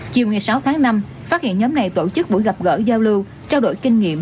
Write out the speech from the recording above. chiều ngày sáu tháng năm phát hiện nhóm này tổ chức buổi gặp gỡ giao lưu trao đổi kinh nghiệm